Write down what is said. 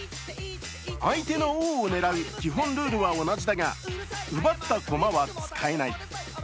相手の王を狙う基本ルールは同じだが、奪ったコマは使えない。